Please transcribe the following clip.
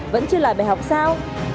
vẫn chưa lại bài học sao